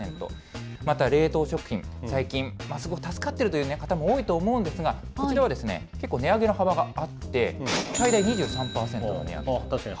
また冷凍食品、最近、すごい助かってるという方も多いと思うんですが、こちらはですね、結構、値上げの幅があって最大２３％の値上げ。